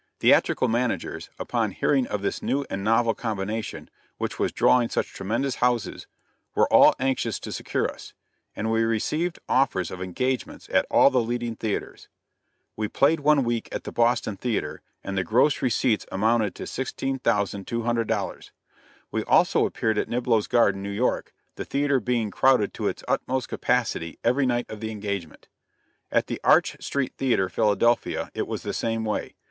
Theatrical managers, upon hearing of this new and novel combination; which was drawing such tremendous houses, were all anxious to secure us; and we received offers of engagements at all the leading theaters. We played one week at the Boston Theater, and the gross receipts amounted to $16,200. We also appeared at Niblo's Garden, New York, the theater being crowded to its utmost capacity every night of the engagement. At the Arch Street Theater, Philadelphia, it was the same way.